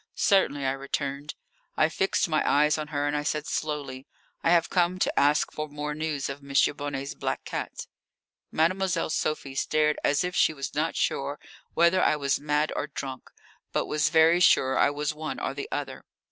"Certainly," I returned. I fixed my eyes on her, and I said slowly, "I have come to ask for more news of M. Bonnet's black cat." Mademoiselle Sophie stared as if she was not sure whether I was mad or drunk, but was very sure I was one or the other.